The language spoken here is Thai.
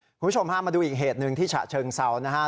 คุณผู้ชมพามาดูอีกเหตุหนึ่งที่ฉะเชิงเซานะฮะ